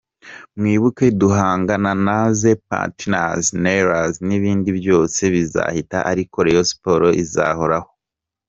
Mwibuke duhangana naza Pantheres noires, nibindi byose bizahita ariko Rayons sport izahoraho.